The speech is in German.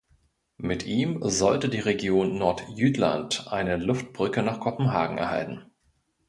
Mit ihm sollte die Region Nordjütland eine Luftbrücke nach Kopenhagen erhalten.